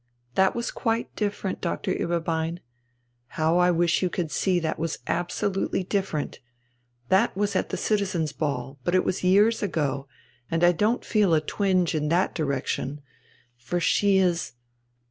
"That was quite different, Doctor Ueberbein! How I wish you could see that was absolutely different! That was at the Citizens' Ball, but it was years ago, and I don't feel a twinge in that direction. For she is